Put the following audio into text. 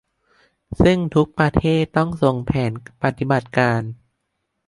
ซึ่งทุกประเทศต้องส่งแผนปฏิบัติการ